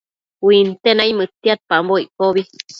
Uinte naimëdtiadpambo iccobi